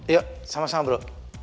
yuk sama sama bro